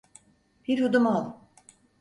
Bir yudum al.